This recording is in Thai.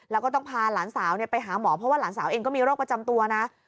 แล้วก็ต้องพาหลานสาวไปหาหมอเพราะว่าหลานสาวเองก็มีโรคประจำตัวนะ